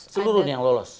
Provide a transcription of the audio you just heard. seluruhnya yang lolos